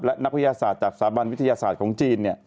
และนักวิทยาศาสตร์จากสถาบันวิทยาศาสตร์ของจีน